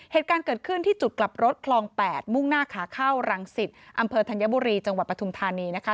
เหตุการณ์เกิดขึ้นที่จุดกลับรถคลอง๘มุ่งหน้าขาเข้ารังสิตอำเภอธัญบุรีจังหวัดปฐุมธานีนะคะ